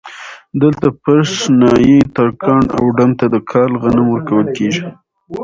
دلته پش ، نايي ، ترکاڼ او ډم ته د کال غنم ورکول کېږي